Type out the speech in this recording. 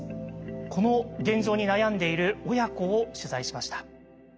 この現状に悩んでいる親子を取材しました。